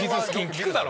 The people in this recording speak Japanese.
聞くだろ？